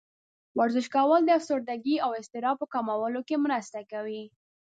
ورزش کول د افسردګۍ او اضطراب په کمولو کې مرسته کوي.